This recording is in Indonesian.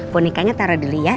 ponikanya taruh dulu ya